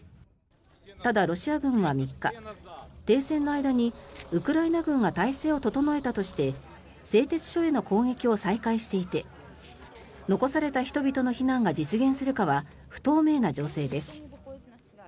ただ、ロシア軍は３日停戦の間にウクライナ軍が態勢を整えたとして製鉄所への攻撃を再開していて残された人々の避難が実現するかは不透明な情勢です。